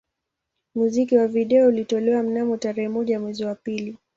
Muziki wa video ulitolewa mnamo tarehe moja mwezi wa pili